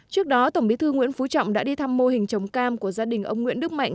trước đó tổng bí thư nguyễn phú trọng đã đi thăm mô hình trồng cam của gia đình ông nguyễn đức mạnh